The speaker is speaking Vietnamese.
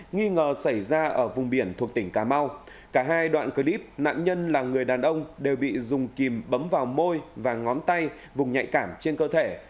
nghi ngờ xảy ra ở vùng biển thuộc tỉnh cà mau cả hai đoạn clip nạn nhân là người đàn ông đều bị dùng kìm bấm vào môi và ngón tay vùng nhạy cảm trên cơ thể